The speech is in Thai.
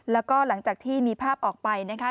แล้วก็หลังจากที่มีภาพออกไปนะคะ